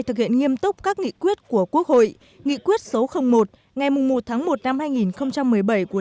thực hiện nghiêm túc các nghị quyết của quốc hội nghị quyết số một ngày một tháng một năm hai nghìn một mươi bảy của